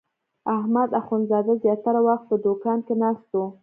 احمد اخوندزاده زیاتره وخت په دوکان کې ناست و.